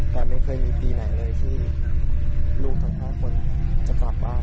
แต่ไม่เคยมีปีไหนเลยที่ลูกทั้ง๕คนจะกลับบ้าน